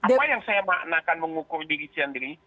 apa yang saya maknakan mengukur diri sendiri